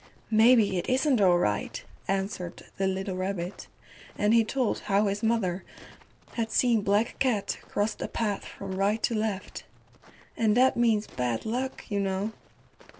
"Maybe it isn't all right," answered the little rabbit, and he told how his mother had seen Black Cat cross the path from right to left. "And that means bad luck, you know."